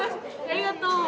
ありがとう。